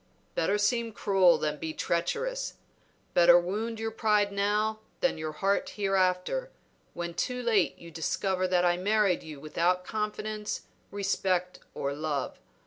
"Better seem cruel than be treacherous; better wound your pride now than your heart hereafter, when too late you discover that I married you without confidence, respect, or love.